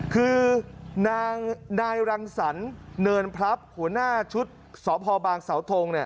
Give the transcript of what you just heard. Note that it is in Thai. คือนายรังศรเนินพลัพธ์หัวหน้าชุดสพบางสธง